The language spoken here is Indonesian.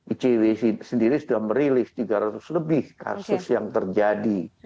icw sendiri sudah merilis tiga ratus lebih kasus yang terjadi